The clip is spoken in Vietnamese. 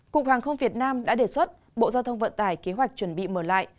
cục hàng không việt nam đã đề xuất bộ giao thông vận tải kế hoạch chuẩn bị mở lại